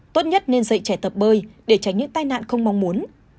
tốt nhất nên dạy trẻ tập bơi để tránh những tai nạn không mong muốn